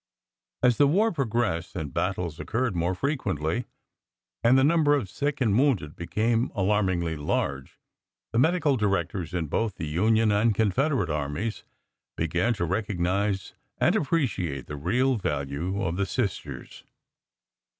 As the war progressed and battles occurred more frequently, and the number of sick and wounded became alarmingly large, the medical directors in both the Union and Confederate armies began to recognize and appreciate the real value of the Sisters.